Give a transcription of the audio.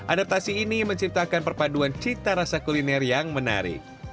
adaptasi ini menciptakan perpaduan cita rasa kuliner yang menarik